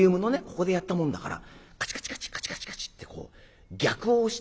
ここでやったもんだからカチカチカチカチカチカチッてこう逆を押したんだね。